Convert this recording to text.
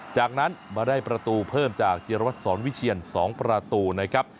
จากนั้นมาได้ประตูเพิ่มจากจิรวัตรสอนวิเชียน๒ประตูนะครับ